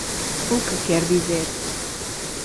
O que quer dizer